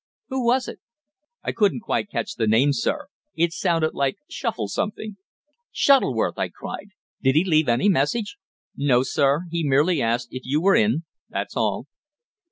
"Who was it?" "I couldn't quite catch the name, sir. It sounded like Shuffle something." "Shuttleworth!" I cried. "Did he leave any message?" "No, sir. He merely asked if you were in that's all."